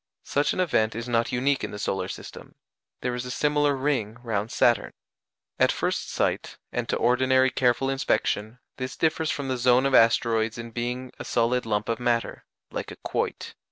Such an event is not unique in the solar system; there is a similar ring round Saturn. At first sight, and to ordinary careful inspection, this differs from the zone of asteroids in being a solid lump of matter, like a quoit.